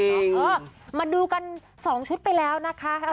เออมาดูกัน๒ชุดไปแล้วนะคะ